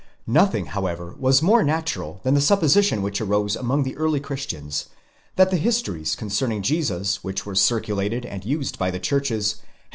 2 Nothing however was more natural than the supposition which arose among the early christians, that the histories con «erning Jesus which were circulated and used by the churches had been 10 De Wette, Gieseler.